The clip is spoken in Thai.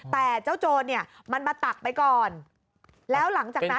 แต่เจ้าโจรเนี่ยมันมาตักไปก่อนแล้วหลังจากนั้น